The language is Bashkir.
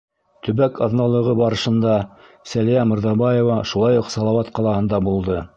Төбәк аҙналығы барышында Сәлиә Мырҙабаева шулай уҡ Салауат ҡалаһында булды.